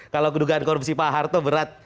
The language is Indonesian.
kalau kedugaan korupsi pak harto berat